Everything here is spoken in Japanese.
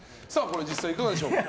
実際はいかがでしょうか。